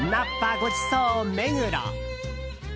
ごちそう目黒。